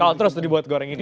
kalau terus dibuat goreng ini